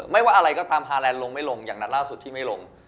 ถ้าทำฮาแลนด์ลงไม่ลงอย่างนัดล่าสุดที่ไม่ลง